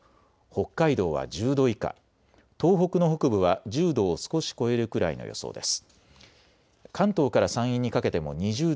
北海道は１０度以下、東北の北部は１０度を少し超えるくらいの予想です。